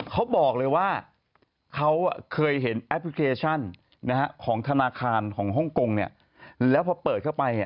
เขาเคยเห็นแอปพลิเคชันของธนาคารของฮ่องกงแล้วพอเปิดเข้าไป